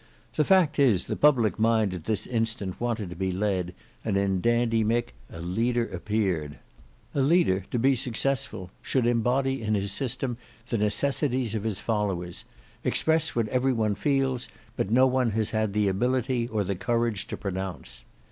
The fact is the public mind at this instant wanted to be led, and in Dandy Mick a leader appeared. A leader to be successful should embody in his system the necessities of his followers; express what every one feels, but no one has had the ability or the courage to pronounce.